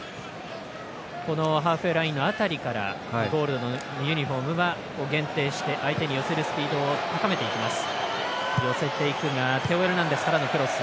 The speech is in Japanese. ハーフウェーラインの辺りからゴールドのユニフォームは限定して、相手に寄せるスピードを速めていきます。